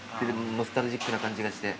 ノスタルジックな感じがして。